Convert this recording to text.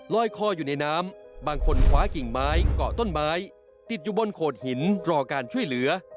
คออยู่ในน้ำบางคนคว้ากิ่งไม้เกาะต้นไม้ติดอยู่บนโขดหินรอการช่วยเหลือ